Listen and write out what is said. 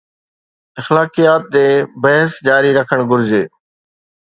اخلاقيات تي بحث جاري رکڻ گهرجي.